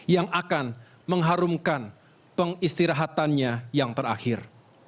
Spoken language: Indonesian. yang akan mengharumkan pengistirahatannya yang terakhir